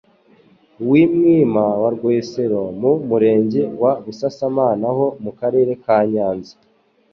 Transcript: w'i Mwima wa Rwesero mu Murenge wa Busasamana ho mu Karere ka Nyanza.